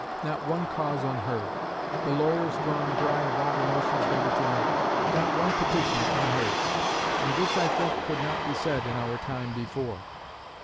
Not one cause unheard. The lawyers drawn dry of all the motions they were to make. Not one petition unheard. And this I think could not be said in our time before."